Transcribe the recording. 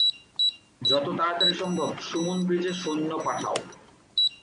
যত তাড়াতাড়ি সম্ভব সুমুন ব্রিজে সৈন্য পাঠাও।